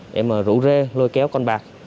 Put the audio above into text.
để mà rủ rê lôi kéo con bạc